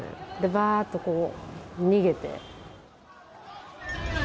ばーっと逃げて。